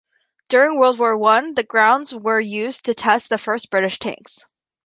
During World War One, the grounds were used to test the first British tanks.